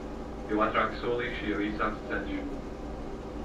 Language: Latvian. Jo ātrāki solīši, jo īsāks ceļš.